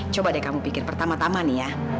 coba deh kamu pikir pertama tama nih ya